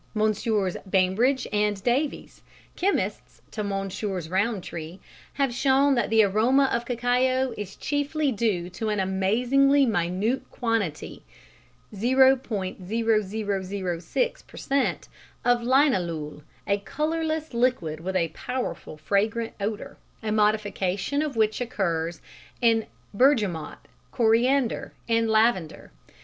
Messrs. Bainbridge and Davies (chemists to Messrs. Rowntree) have shown that the aroma of cacao is chiefly due to an amazingly minute quantity (0.0006 per cent.) of linalool, a colourless liquid with a powerful fragrant odour, a modification of which occurs in bergamot, coriander and lavender.